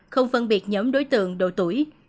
không phân biệt nhóm đối tượng độ tuổi